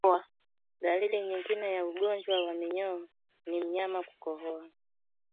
Dalili nyingine ya ugonjwa wa minyoo ni mnyama kukohoa